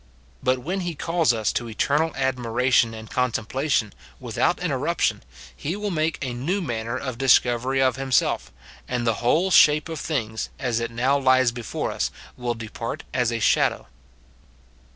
But when he calls us to eternal admiration and contemplation, without interrup tion, he will make a new manner of discovery of himself, and the whole shape of things, as it noAV lies before us, will depart as a shadow.